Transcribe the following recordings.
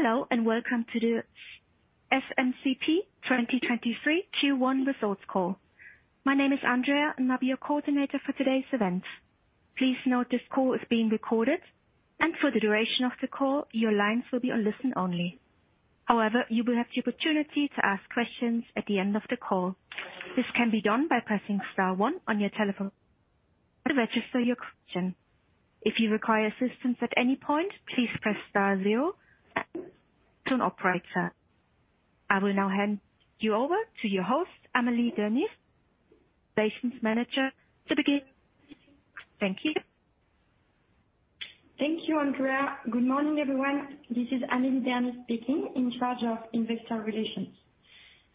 Hello, and welcome to the SMCP 2023 Q1 Results Call. My name is Andrea, and I'll be your coordinator for today's event. Please note this call is being recorded, and for the duration of the call, your lines will be on listen only. However, you will have the opportunity to ask questions at the end of the call. This can be done by pressing star one on your telephone to register your question. If you require assistance at any point, please press star zero to talk to an operator. I will now hand you over to your host, Amélie Dernis, Investor Relations Manager, to begin. Thank you. Thank you, Andrea. Good morning, everyone. This is Amélie Dernis speaking, in charge of investor relations.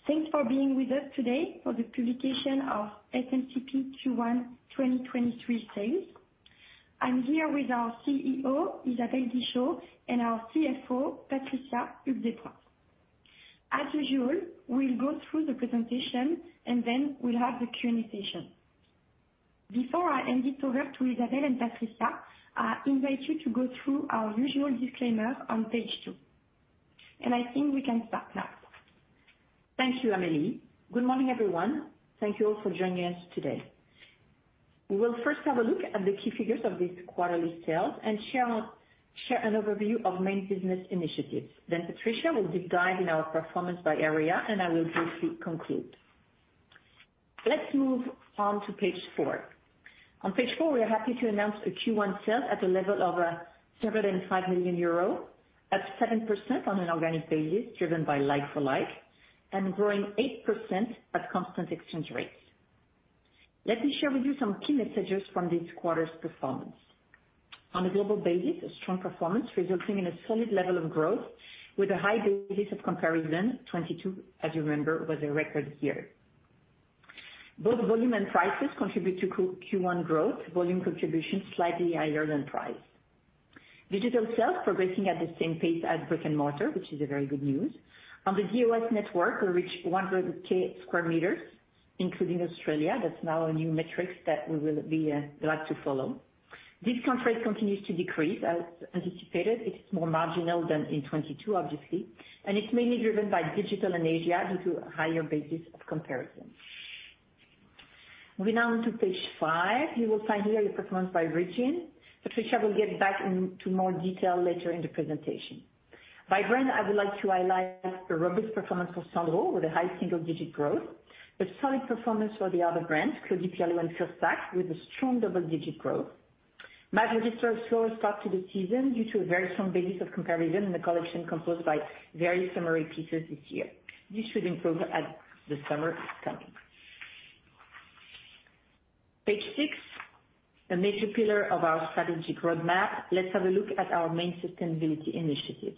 Thanks for being with us today for the publication of SMCP Q1 2023 sales. I'm here with our CEO, Isabelle Guichot, and our CFO, Patricia Huyghues Despointes. As usual, we'll go through the presentation, and then we'll have the Q&A session. Before I hand it over to Isabelle and Patricia, I invite you to go through our usual disclaimer on page two. I think we can start now. Thank you, Amélie Dernis. Good morning, everyone. Thank you all for joining us today. We will first have a look at the key figures of these quarterly sales and share an overview of main business initiatives. Patricia Huyghues Despointes will deep dive in our performance by area, and I will briefly conclude. Let's move on to page four. On page four, we are happy to announce a Q1 sales at a level of 7.5 million euro, up 7% on an organic basis, driven by like-for-like, growing 8% at constant exchange rates. Let me share with you some key messages from this quarter's performance. On a global basis, a strong performance resulting in a solid level of growth with a high basis of comparison, 2022, as you remember, was a record year. Both volume and prices contribute to Q1 growth. Volume contribution slightly higher than price. Digital sales progressing at the same pace as brick-and-mortar, which is a very good news. On the DOS network, we reached 100K square meters, including Australia. That's now a new metrics that we will be glad to follow. Discount rate continues to decrease as anticipated. It is more marginal than in 22, obviously, and it's mainly driven by digital and Asia due to a higher basis of comparison. Moving on to page five, you will find here a performance by region. Patricia will get back into more detail later in the presentation. By brand, I would like to highlight the robust performance for Sandro with a high single-digit growth. A solid performance for the other brands, Claudie Pierlot and Fursac, with a strong double-digit growth. Maje registered a slower start to the season due to a very strong basis of comparison and the collection composed by very summery pieces this year. This should improve as the summer is coming. Page six, a major pillar of our strategic roadmap. Let's have a look at our main sustainability initiatives.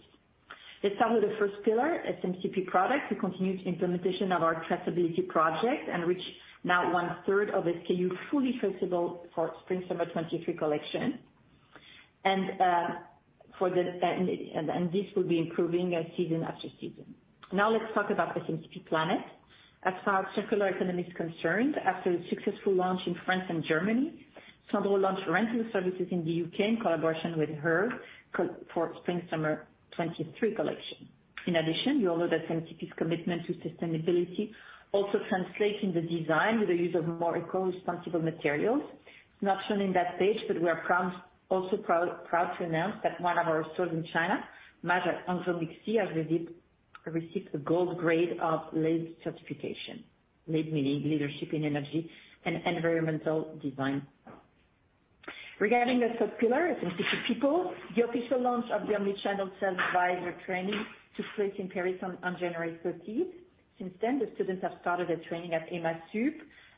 Let's start with the first pillar, SMCP product. We continued implementation of our traceability project and reached now one-third of SKU fully traceable for spring/summer 23 collection. This will be improving season after season. Now let's talk about the SMCP planet. As far as circular economy is concerned, after the successful launch in France and Germany, Sandro launched rental services in the UK in collaboration with Hurr for spring/summer 23 collection. You all know that SMCP's commitment to sustainability also translates in the design with the use of more eco-responsible materials. It's not shown in that page, we are also proud to announce that one of our stores in China, Maje Hongqiao MixC, has received a gold grade of LEED certification. LEED meaning Leadership in Energy and Environmental Design. Regarding the third pillar, SMCP People, the official launch of the omnichannel sales advisor training took place in Paris on January 13th. The students have started a training at ESMOD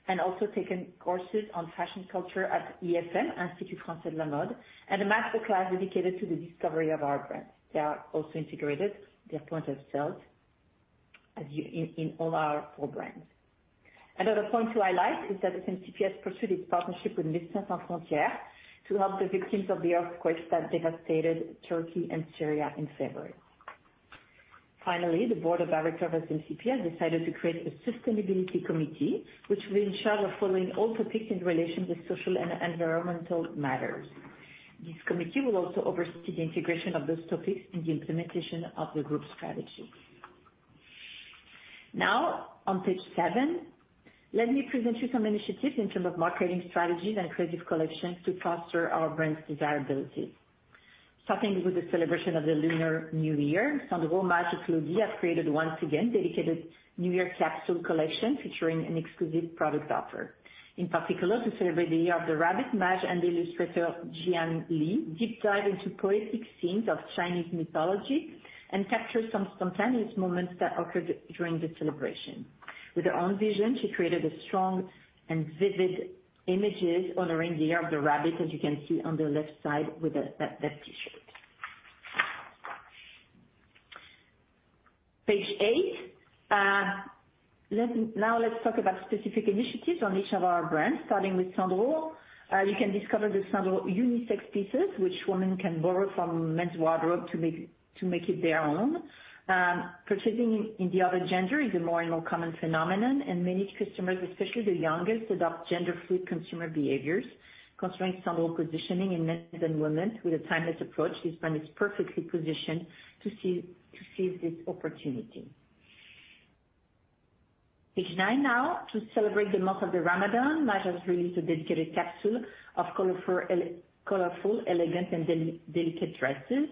and also taken courses on fashion culture at IFM, Institut Français de la Mode, and a master class dedicated to the discovery of our brands. They are also integrated at the point of sales, as in all our four brands. Point to highlight is that SMCP has pursued its partnership with Médecins Sans Frontières to help the victims of the earthquakes that devastated Turkey and Syria in February. The board of directors of SMCP has decided to create a sustainability committee, which will ensure the following all topics in relation with social and environmental matters. This committee will also oversee the integration of those topics in the implementation of the group strategy. On page seven, let me present you some initiatives in terms of marketing strategies and creative collections to foster our brand's desirability. Starting with the celebration of the Lunar New Year, Sandro, Maje, and Claudie have created once again dedicated New Year capsule collection featuring an exclusive product offer. In particular, to celebrate the Year of the Rabbit, Maje and the illustrator Jiayi Li deep dived into poetic scenes of Chinese mythology and captured some spontaneous moments that occurred during the celebration. With her own vision, she created a strong and vivid images honoring the Year of the Rabbit, as you can see on the left side with that T-shirt. Page eight, Now let's talk about specific initiatives on each of our brands, starting with Sandro. You can discover the Sandro unisex pieces, which women can borrow from men's wardrobe to make it their own. Purchasing in the other gender is a more and more common phenomenon, and many customers, especially the youngest, adopt gender-fluid consumer behaviors. Considering Sandro positioning in men's and women's with a timeless approach, this brand is perfectly positioned to seize this opportunity. Page nine now. To celebrate the month of Ramadan, Maje has released a dedicated capsule of colorful, elegant, and delicate dresses.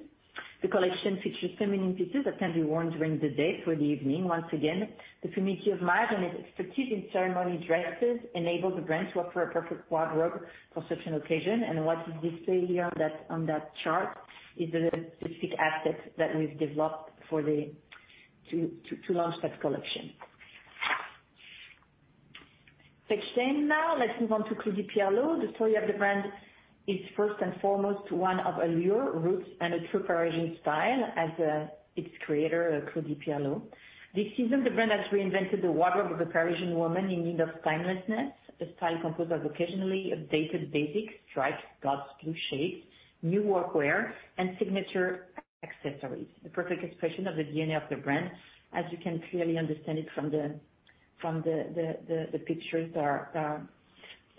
The collection features feminine pieces that can be worn during the day for the evening. Once again, the community of Maje and its expertise in ceremony dresses enable the brand to offer a perfect wardrobe for social occasion. What is displayed here on that chart is the specific assets that we've developed to launch that collection. Page 10 now. Let's move on to Claudie Pierlot. The story of the brand is first and foremost one of allure, roots, and a true Parisian style as its creator, Claudie Pierlot. This season, the brand has reinvented the wardrobe of the Parisian woman in need of timelessness. The style composed of occasionally updated basics, stripes, guts, blue shades, new workwear, and signature accessories. The perfect expression of the DNA of the brand, as you can clearly understand it from the pictures that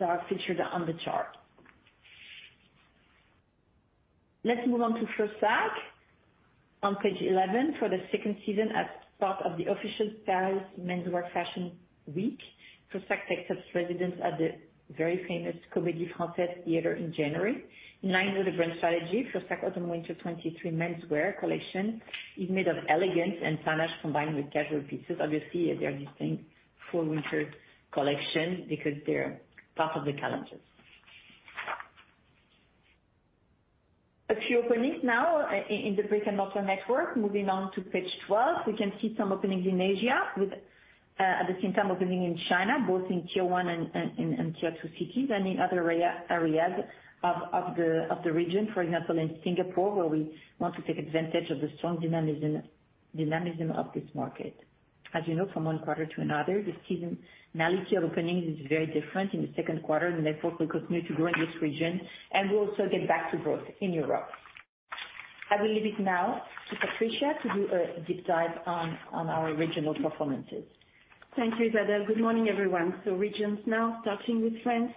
are featured on the chart. Let's move on to Fursac on page 11. For the second season as part of the official Paris Fashion Week Menswear, Fursac takes up residence at the very famous Comédie Française Theater in January. In line with the brand strategy, Fursac autumn/winter '23 menswear collection is made of elegance and panache combined with casual pieces. Obviously, they're distinct fall/winter collection because they're part of the calendars. A few openings now in the brick-and-mortar network. Moving on to page 12, we can see some openings in Asia with at the same time opening in China, both in tier one and in Tier 2 cities and in other areas of the region. For example, in Singapore where we want to take advantage of the strong dynamism of this market. As you know, from one quarter to another, the seasonality of openings is very different in the second quarter. Therefore, we continue to grow in this region. We also get back to growth in Europe. I will leave it now to Patricia to do a deep dive on our regional performances. Thank you, Isabelle. Good morning, everyone. Regions now, starting with France.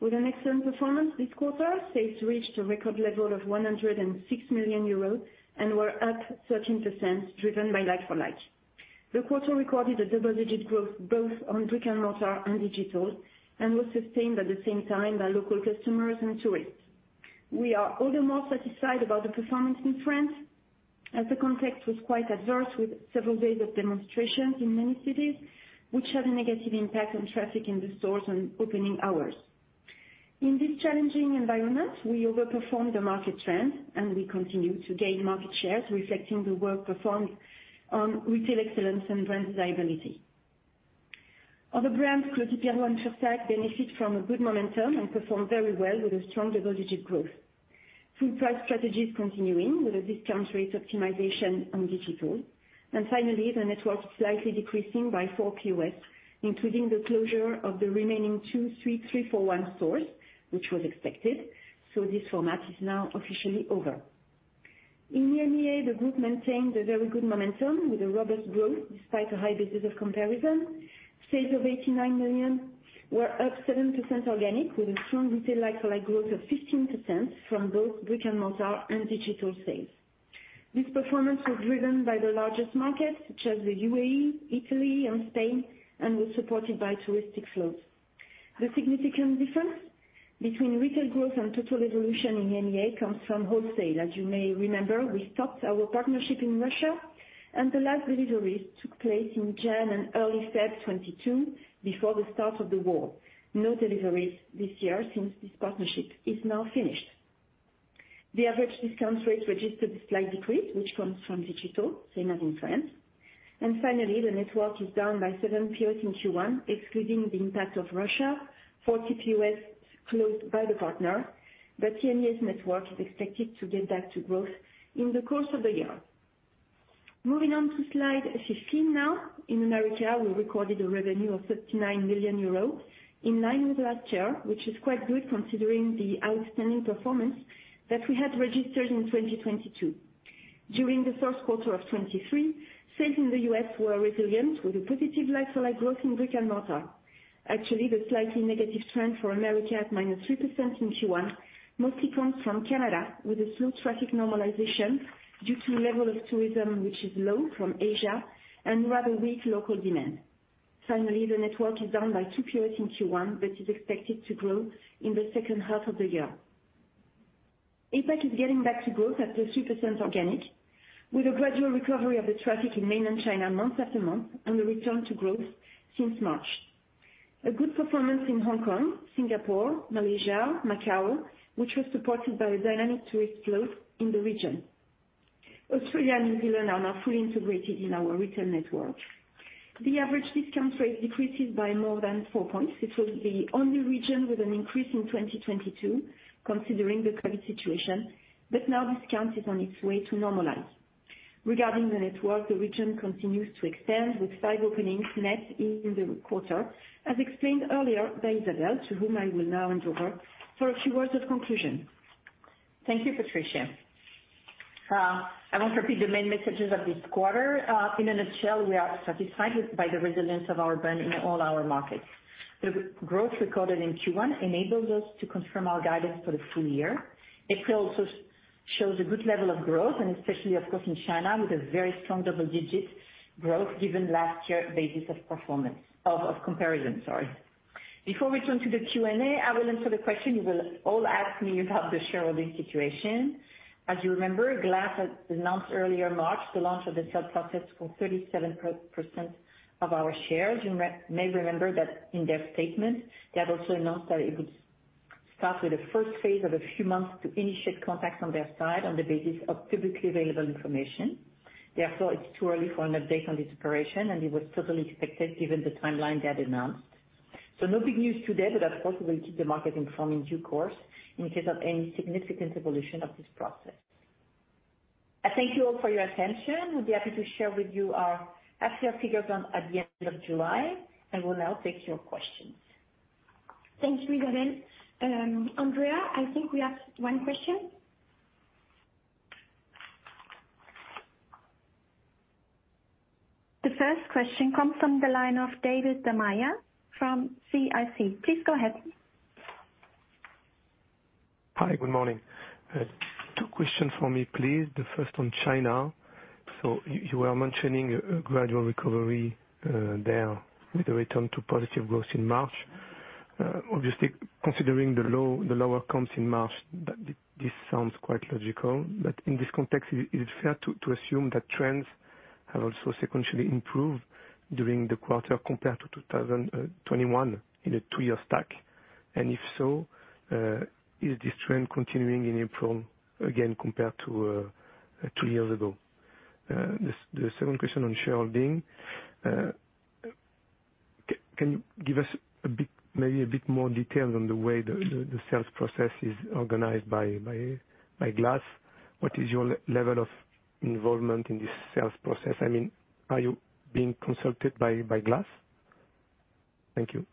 With an excellent performance this quarter, sales reached a record level of 106 million euros and were up 13% driven by like-for-like. The quarter recorded a double-digit growth both on brick-and-mortar and digital and was sustained at the same time by local customers and tourists. We are all the more satisfied about the performance in France, as the context was quite adverse with several days of demonstrations in many cities, which had a negative impact on traffic in the stores and opening hours. In this challenging environment, we overperformed the market trends, and we continue to gain market shares, reflecting the work performed on retail excellence and brand desirability. Other brands, Claudie Pierlot and Fursac, benefit from a good momentum and perform very well with a strong double-digit growth. Full price strategy is continuing with a discount rate optimization on digital. Finally, the network slightly decreasing by four POS, including the closure of the remaining two, three-for-one stores, which was expected. This format is now officially over. In EMEA, the group maintained a very good momentum with a robust growth despite a high basis of comparison. Sales of 89 million were up 7% organic, with a strong retail like-for-like growth of 15% from both brick-and-mortar and digital sales. This performance was driven by the largest markets such as the UAE, Italy, and Spain, and was supported by touristic flows. The significant difference between retail growth and total evolution in EMEA comes from wholesale. As you may remember, we stopped our partnership in Russia, and the last deliveries took place in January and early February 2022, before the start of the war. No deliveries this year since this partnership is now finished. The average discount rate registered a slight decrease, which comes from digital, same as in France. Finally, the network is down by seven POs in Q1, excluding the impact of Russia, four POs closed by the partner. EMEA's network is expected to get back to growth in the course of the year. Moving on to slide 15 now. In America, we recorded a revenue of 59 million euros, in line with last year, which is quite good considering the outstanding performance that we had registered in 2022. During the first quarter of 2023, sales in the U.S. were resilient with a positive like-for-like growth in brick-and-mortar. Actually, the slightly negative trend for America at -3% in Q1 mostly comes from Canada, with a slow traffic normalization due to level of tourism which is low from Asia and rather weak local demand. Finally, the network is down by two POS in Q1, but is expected to grow in the second half of the year. APAC is getting back to growth at +2% organic, with a gradual recovery of the traffic in mainland China month after month and a return to growth since March. A good performance in Hong Kong, Singapore, Malaysia, Macau, which was supported by a dynamic tourist flow in the region. Australia and New Zealand are now fully integrated in our retail network. The average discount rate decreases by more than four points. This was the only region with an increase in 2022, considering the COVID situation, but now discount is on its way to normalize. Regarding the network, the region continues to expand, with five openings net in the quarter as explained earlier by Isabelle, to whom I will now hand over for a few words of conclusion. Thank you, Patricia. I won't repeat the main messages of this quarter. In a nutshell, we are satisfied by the resilience of our brand in all our markets. The growth recorded in Q1 enables us to confirm our guidance for the full year. APAC also shows a good level of growth, and especially of course in China with a very strong double-digit growth given last year basis of performance. Of comparison, sorry. Before we turn to the Q&A, I will answer the question you will all ask me about the shareholding situation. As you remember, GLAS had announced earlier in March the launch of the sale process for 37% of our shares. You may remember that in their statement, they had also announced that it would start with the first phase of a few months to initiate contacts on their side on the basis of publicly available information. Therefore, it's too early for an update on this operation, and it was totally expected given the timeline they had announced. No big news today, but of course we will keep the market informed in due course in case of any significant evolution of this process. I thank you all for your attention. We'll be happy to share with you our, actual figures on, at the end of July, and will now take your questions. Thanks, Isabelle. Andrea, I think we have one question. The first question comes from the line of David Da Maia from CIC. Please go ahead. Hi, good morning. Two questions from me, please. The first on China. You are mentioning a gradual recovery there with a return to positive growth in March. Obviously considering the low, the lower comps in March, this sounds quite logical. In this context, is it fair to assume that trends have also sequentially improved during the quarter compared to 2021 in a two year stack? If so, is this trend continuing in April, again, compared to two years ago? The second question on shareholding. Can you give us a bit, maybe a bit more detail on the way the sales process is organized by GLAS? What is your level of involvement in this sales process? I mean, are you being consulted by GLAS? Thank you.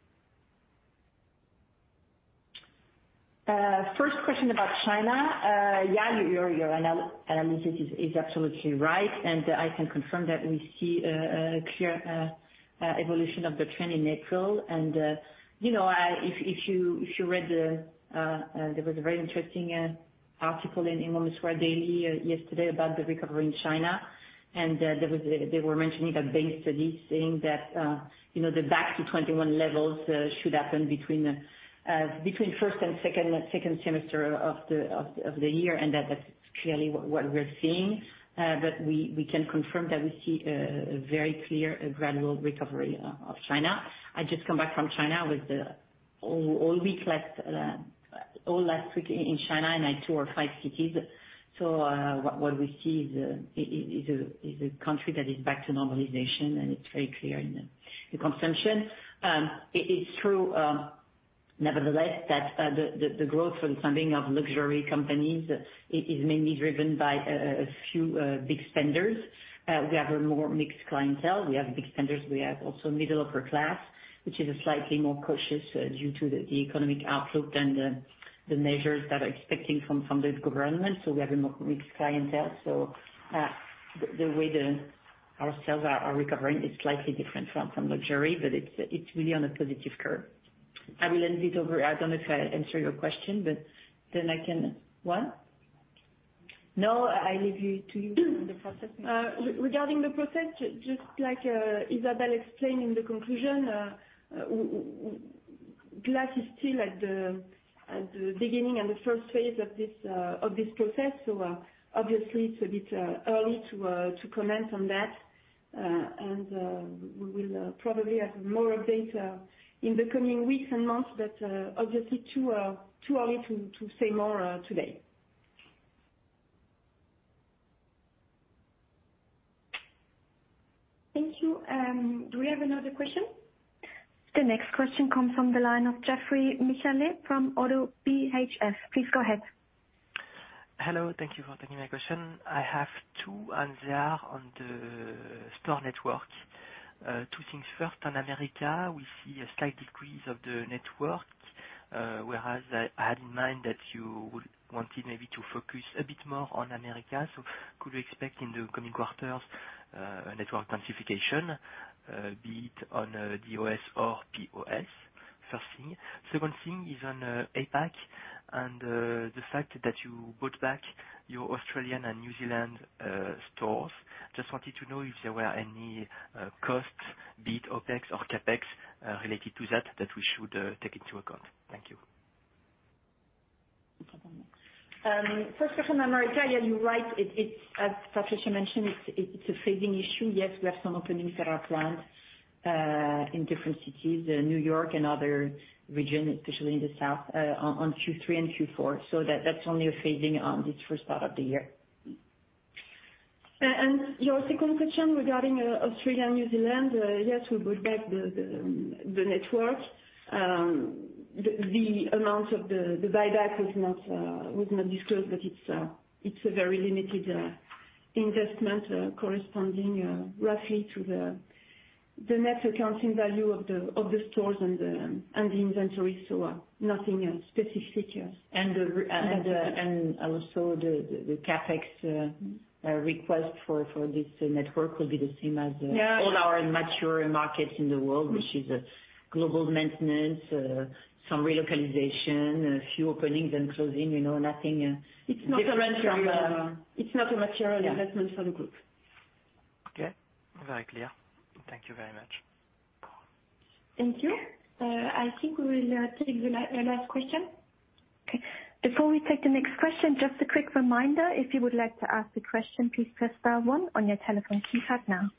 First question about China. Yeah, your analysis is absolutely right, I can confirm that we see a clear evolution of the trend in April. You know, if you read the, there was a very interesting article in Euromonitor Daily yesterday about the recovery in China. They were mentioning a bank study saying that, you know, the back to '21 levels should happen between first and second semester of the year, that's clearly what we're seeing. We can confirm that we see a very clear gradual recovery of China. I just come back from China. All week last, all last week in China, I tour five cities. What we see is a country that is back to normalization, and it's very clear in the consumption. It's true, nevertheless, that the growth from some being of luxury companies is mainly driven by a few big spenders. We have a more mixed clientele. We have big spenders. We have also middle upper class, which is a slightly more cautious due to the economic outlook and the measures that are expecting from the government. We have a more mixed clientele. The way our sales are recovering is slightly different from luxury, but it's really on a positive curve. I will hand it over. I don't know if I answered your question, but then I can... What? No, I leave you, to you the process. Regarding the process, just like Isabelle explained in the conclusion, GLAS is still at the beginning and the first phase of this process. Obviously it's a bit early to comment on that. We will probably have more update in the coming weeks and months, but obviously too early to say more today. Thank you. Do we have another question? The next question comes from the line of Jeffery Michalet from Oddo BHF. Please go ahead. Hello. Thank you for taking my question. I have two, and they are on the store network. Two things. First, on America, we see a slight decrease of the network, whereas I had in mind that you would wanted maybe to focus a bit more on America. Could we expect in the coming quarters, a network diversification, be it on DOS or POS? First thing. Second thing is on APAC and the fact that you bought back your Australian and New Zealand stores. Just wanted to know if there were any costs, be it OpEx or CapEx, related to that we should take into account. Thank you. First question on America, you're right. It's, as Patricia mentioned, it's a phasing issue. Yes, we have some openings that are planned in different cities, New York and other region, especially in the south, on Q3 and Q4. That's only a phasing on this first part of the year. Your second question regarding Australia and New Zealand, yes, we bought back the network. The amount of the buyback was not disclosed, but it's a very limited investment, corresponding roughly to the net accounting value of the stores and the inventory. Nothing specific. Yes. Also the CapEx request for this network will be the same as. Yeah. all our mature markets in the world, which is a global maintenance, some relocalization, a few openings and closing, you know, nothing. It's not a material-. -different from, It's not a material investment for the group. Okay. Very clear. Thank you very much. Thank you. I think we will take the last question. Okay. Before we take the next question, just a quick reminder, if you would like to ask a question, please press star one on your telephone keypad now.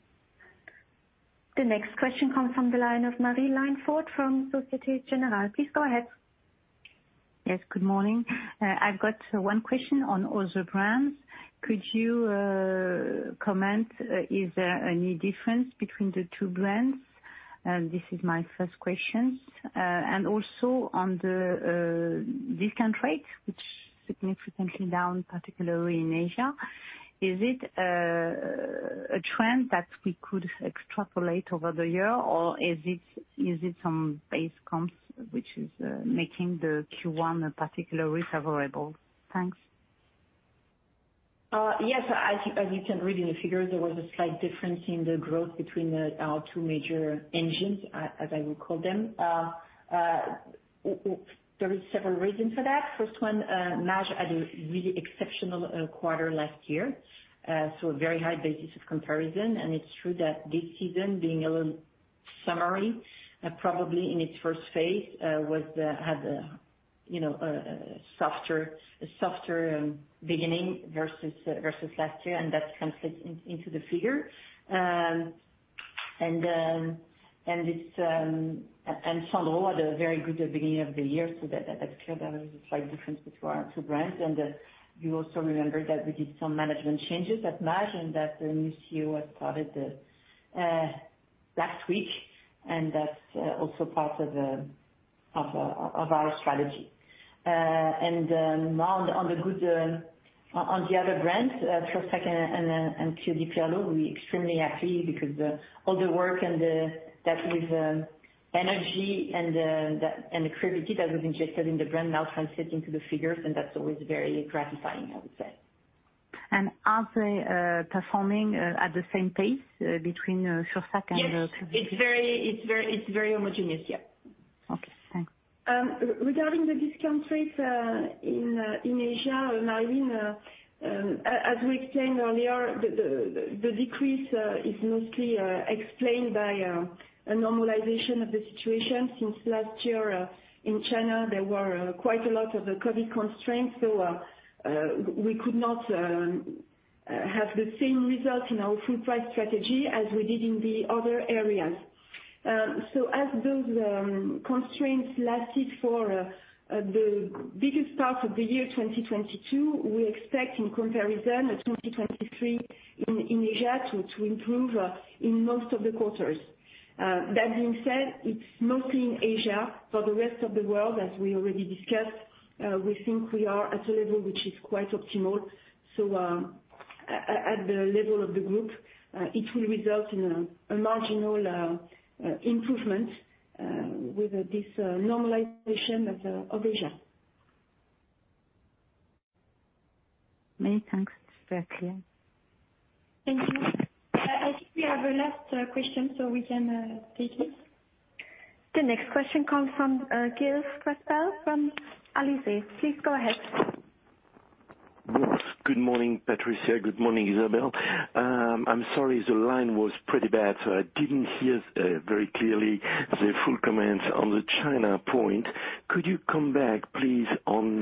The next question comes from the line of Marie-Line Fort from Société Générale. Please go ahead. Yes, good morning. I've got one question on other brands. Could you comment, is there any difference between the two brands? This is my first question. Also on the discount rate, which significantly down, particularly in Asia, is it some base comps which is making the Q1 particularly favorable? Thanks. As, as you can read in the figures, there was a slight difference in the growth between our two major engines, as I would call them. There is several reasons for that. First one, Maje had a really exceptional quarter last year, so a very high basis of comparison. It's true that this season, being a little summary, probably in its first phase, was, had a, you know, a softer beginning versus last year, and that translates into the figure. Sandro had a very good beginning of the year, so that's clear there is a slight difference between our two brands. You also remember that we did some management changes at Maje, and that the new CEO has started last week, and that's also part of our strategy. Now on the good, on the other brands, for second and Claudie Pierlot, we extremely happy because the... All the work and that with energy and that, and the creativity that was injected in the brand now translates into the figures, and that's always very gratifying, I would say. Are they performing at the same pace between Fursac and? Yes. It's very homogeneous. Yeah. Okay, thanks. Regarding the discount rates in Asia, Marie, as we explained earlier, the decrease is mostly explained by a normalization of the situation. Since last year, in China, there were quite a lot of COVID constraints, we could not have the same result in our full price strategy as we did in the other areas. As those constraints lasted for the biggest part of the year 2022, we expect in comparison 2023 in Asia to improve in most of the quarters. That being said, it's mostly in Asia. For the rest of the world, as we already discussed, we think we are at a level which is quite optimal. At the level of the group, it will result in a marginal improvement with this normalization of Asia. Many thanks. Very clear. Thank you. I think we have a last question, so we can take it. The next question comes from, Christel Viljoen from Alizé. Please go ahead. Good morning, Patricia. Good morning, Isabelle. I'm sorry, the line was pretty bad, so I didn't hear very clearly the full comments on the China point. Could you come back please on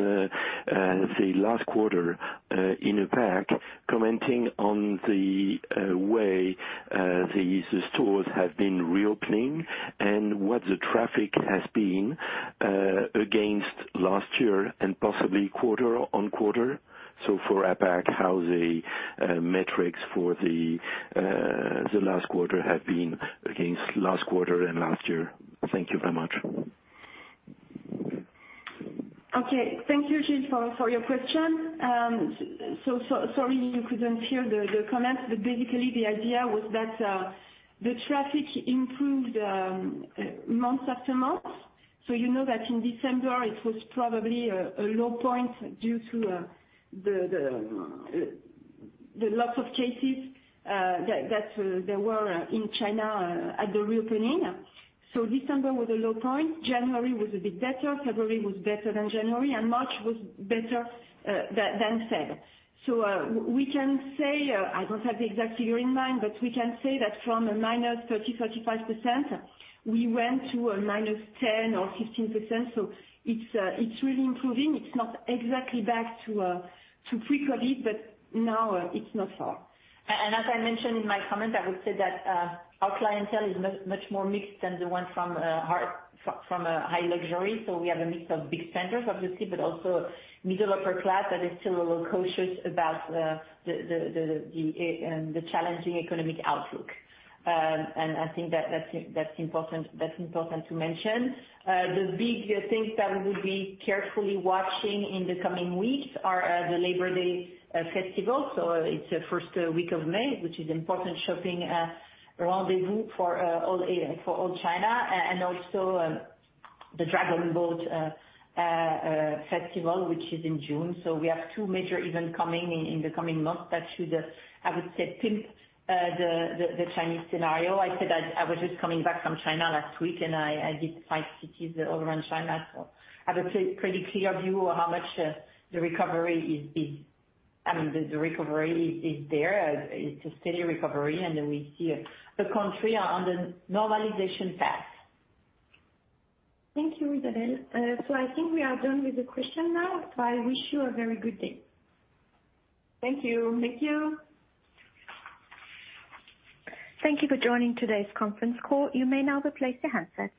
the last quarter in APAC, commenting on the way the user stores have been reopening and what the traffic has been against last year and possibly quarter on quarter? For APAC, how the metrics for the last quarter have been against last quarter and last year. Thank you very much. Okay. Thank you, christel, for your question. Sorry you couldn't hear the comments, but basically the idea was that the traffic improved month after month. You know that in December it was probably a low point due to the lots of cases that there were in China at the reopening. December was a low point, January was a bit better, February was better than January, and March was better than Feb. We can say, I don't have the exact figure in mind, but we can say that from -30%-35% we went to a -10% or 15%. It's really improving. It's not exactly back to pre-COVID, but now it's not far. As I mentioned in my comment, I would say that our clientele is much more mixed than the one from a high luxury. We have a mix of big spenders, obviously, but also middle upper class that is still a little cautious about the challenging economic outlook. I think that's important to mention. The big things that we will be carefully watching in the coming weeks are the Labor Day festival, so it's the first week of May, which is important shopping rendezvous for all China. Also, the Dragon Boat festival, which is in June. We have two major event coming in the coming months that should, I would say, pimp the Chinese scenario. I said I was just coming back from China last week, and I did five cities all around China, so I have a pretty clear view of how much the recovery is. I mean, the recovery is there. It's a steady recovery, and we see the country on the normalization path. Thank you, Isabelle. I think we are done with the question now. I wish you a very good day. Thank you. Thank you. Thank you for joining today's conference call. You may now replace your handsets.